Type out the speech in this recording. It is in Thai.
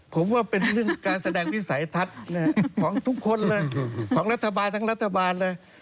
ผมว่าเป็นเรื่องการแสดงวิสัยทัศน์ของทุกคนเลยของรัฐบาลทั้งรัฐบาลเลย